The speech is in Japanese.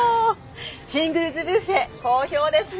シングルズ・ビュッフェ好評ですね。